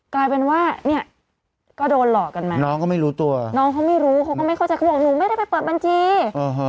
กลายเป็นว่าเนี่ยก็โดนหลอกกันมาน้องก็ไม่รู้ตัวน้องเขาไม่รู้เขาก็ไม่เข้าใจเขาบอกหนูไม่ได้ไปเปิดบัญชี